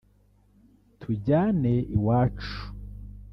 ‘Tujyane iwacu’